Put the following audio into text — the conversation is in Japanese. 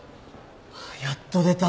やっと出た。